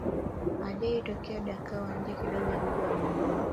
ajari ilitokea dakawa nje kidogo ya mji wa morogoro